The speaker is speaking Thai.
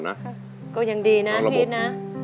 นอกระบบก็ยังดีนะพี่อิตรนะ